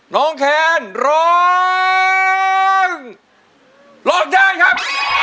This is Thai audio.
น้องแค้นร้องร้องด้านครับ